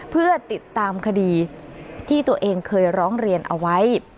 เพื่อติดตามคดีที่ตัวเองเคยร้องเรียนเอาไว้